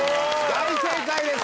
大正解です